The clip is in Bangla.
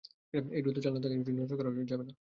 এই, দ্রুত চালা তাকে নজরছাড়া করা যাবে না।